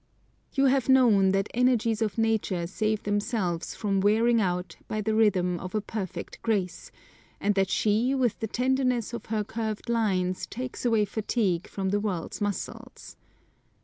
You have known that energies of nature save themselves from wearing out by the rhythm of a perfect grace, and that she with the tenderness of her curved lines takes away fatigue from the world's muscles.